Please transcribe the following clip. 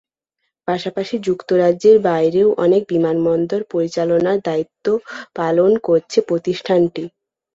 পাশাপাশি যুক্তরাজ্যের বাইরেও অনেক বিমানবন্দর পরিচালনার দায়িত্ব পালন করছে প্রতিষ্ঠানটি।